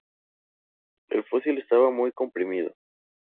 El fósil estaba muy comprimido.